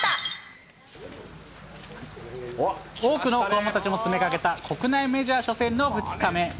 多くの子どもたちも詰めかけた国内メジャー初戦の２日目。